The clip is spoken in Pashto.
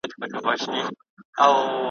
او که خدای مه کړه `